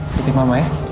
ketik mama ya